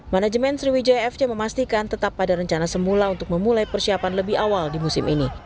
manajemen sriwijaya fc memastikan tetap pada rencana semula untuk memulai persiapan lebih awal di musim ini